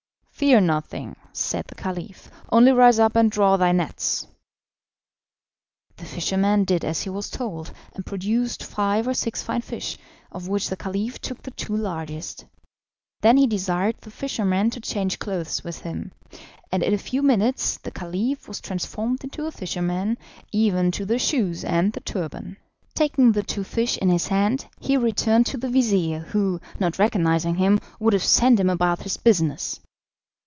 "Fear nothing," said the Caliph, "only rise up and draw thy nets." The fisherman did as he was told, and produced five or six fine fish, of which the Caliph took the two largest. Then he desired the fisherman to change clothes with him, and in a few minutes the Caliph was transformed into a fisherman, even to the shoes and the turban. Taking the two fish in his hand, he returned to the vizir, who, not recognising him, would have sent him about his business.